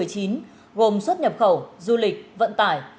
hiệp khẩu du lịch vận tải